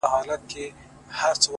زه د بـلا سـره خـبري كـوم;